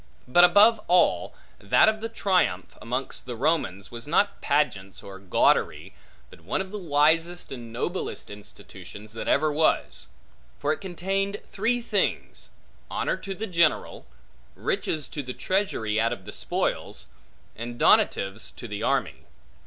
But above all, that of the triumph, amongst the Romans, was not pageants or gaudery, but one of the wisest and noblest institutions, that ever was. For it contained three things: honor to the general; riches to the treasury out of the spoils; and donatives to the army.